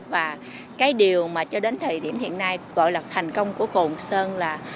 và cái điều mà cho đến thời điểm hiện nay gọi là thành công của cồn sơn là